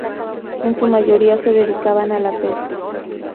En su mayoría se dedicaban a la pesca.